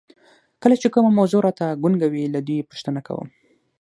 کله چې کومه موضوع راته ګونګه وي له دوی پوښتنه کوم.